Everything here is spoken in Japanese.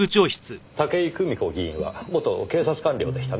武井久美子議員は元警察官僚でしたね。